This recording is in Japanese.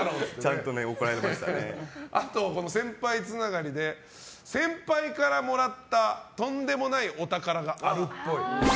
あと、先輩つながりで先輩からもらったとんでもないお宝があるっぽい。